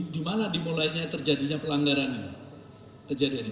dimana dimulainya terjadinya pelanggaran ini